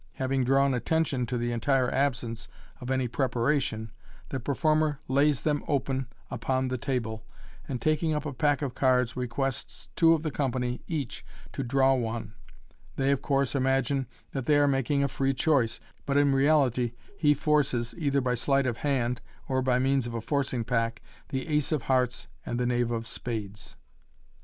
Having drawn attention to the entire absence of any preparation, the performer lays them open upon the table, and, taking up a pack of cards, requests two of the company each to draw one. They, of course, imagine that they are making a free choice, but in reality he forces (either by sleight of hand, or by means of a forcing pack) the ace of hearts and the knave of spades.